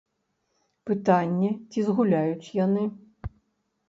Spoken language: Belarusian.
Пытанне, ці згуляюць яны.